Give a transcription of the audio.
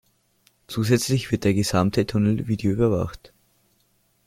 Zusätzlich wird der gesamte Tunnel videoüberwacht.